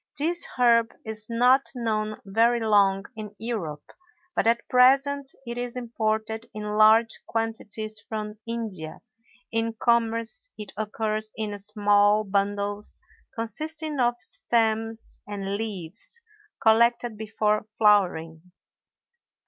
This herb is not known very long in Europe, but at present it is imported in large quantities from India; in commerce it occurs in small bundles consisting of stems and leaves (collected before flowering).